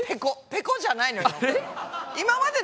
ぺこじゃないのよ。